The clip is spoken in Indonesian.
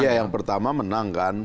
ya yang pertama menang kan